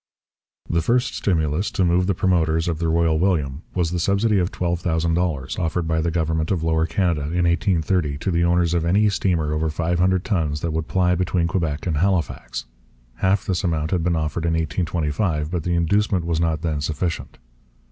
The first stimulus to move the promoters of the Royal William was the subsidy of $12,000 offered by the government of Lower Canada in 1830 to the owners of any steamer over five hundred tons that would ply between Quebec and Halifax. Half this amount had been offered in 1825, but the inducement was not then sufficient.